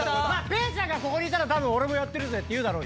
ぺーちゃんがここにいたら「俺もやってるぜ」って言う。